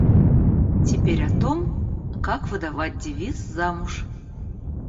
Теперь о том, как выдавать девиц замуж.